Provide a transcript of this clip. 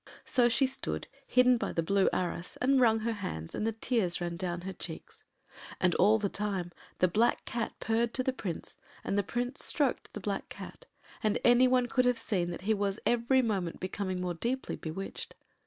” So she stood, hidden by the blue arras, and wrung her hands, and the tears ran down her cheeks. And all the time the black Cat purred to the Prince, and the Prince stroked the black Cat, and any one could have seen that he was every moment becoming more deeply bewitched.